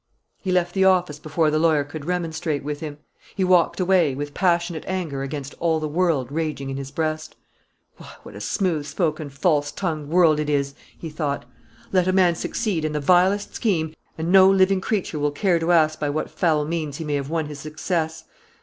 He left the office before the lawyer could remonstrate with him. He walked away, with passionate anger against all the world raging in his breast. "Why, what a smooth spoken, false tongued world it is!" he thought. "Let a man succeed in the vilest scheme, and no living creature will care to ask by what foul means he may have won his success.